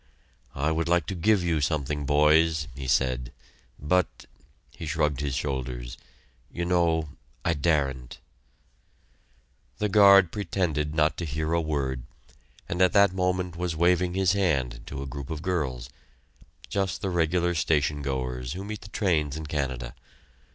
"I would like to give you something, boys," he said, "but" he shrugged his shoulders "you know I daren't." The guard pretended not to hear a word, and at that moment was waving his hand to a group of girls just the regular station goers, who meet the trains in Canada.